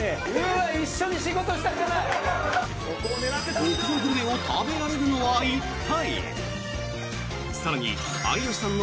極上グルメを食べられるのは一体？